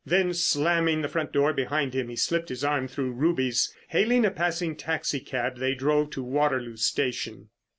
Then, slamming the front door behind him, he slipped his arm through Ruby's. Hailing a passing taxi cab they drove to Waterloo Station.